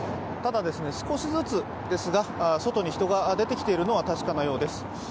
ただ、少しずつですが、外に人が出てきているのは確かなようです。